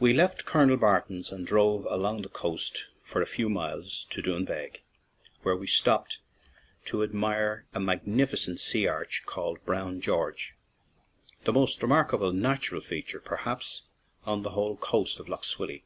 We left Colonel Barton's and drove along the coast for a few miles to Doaghbeg, where we stopped to admire a magnif icent sea arch called " Brown George/' the most remarkable natural feature, perhaps, on the whole coast of Lough Swilly.